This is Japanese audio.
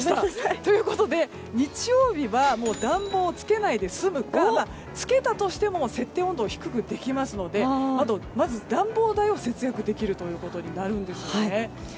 ということで日曜日はもう暖房をつけないで済むかつけたとしても設定温度を低くできますのでまず、暖房代を節約できるということになるんです。